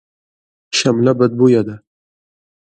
شمله بدبویه ده.